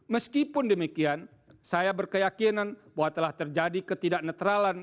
meskipun demikian saya berkeyakinan bahwa telah terjadi ketidak netralan